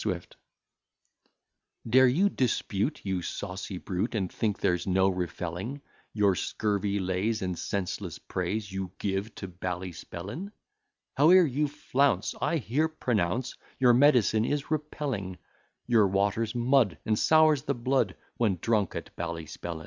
SWIFT Dare you dispute, you saucy brute, And think there's no refelling Your scurvy lays, and senseless praise You give to Ballyspellin? Howe'er you flounce, I here pronounce, Your medicine is repelling; Your water's mud, and sours the blood When drunk at Ballyspellin.